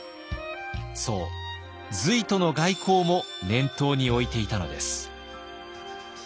そう隋との外交も念頭に置いていたのです。